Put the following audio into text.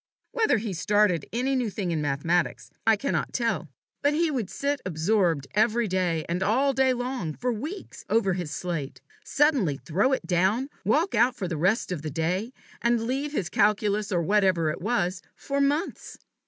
Whether he started any new thing in mathematics I cannot tell, but he would sit absorbed, every day and all day long, for weeks, over his slate, suddenly throw it down, walk out for the rest of the day, and leave his calculus, or whatever it was, for months.